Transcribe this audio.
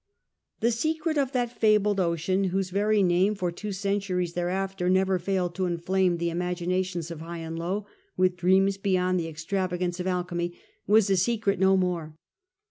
The secret of that fabled ocean, whose very name for two centuries thereafter never failed to inflame the imaginations of high and low with dreams beyond the extravagance of alchemy, was a secret no more.